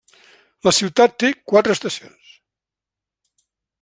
La ciutat té quatre estacions.